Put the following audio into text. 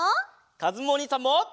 かずむおにいさんも！